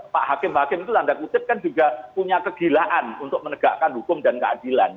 pak hakim hakim itu tanda kutip kan juga punya kegilaan untuk menegakkan hukum dan keadilan